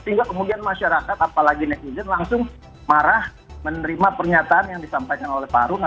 sehingga kemudian masyarakat apalagi netizen langsung marah menerima pernyataan yang disampaikan oleh pak harun